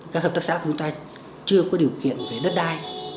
các hợp tác xã của chúng ta chưa có điều kiện về đất đai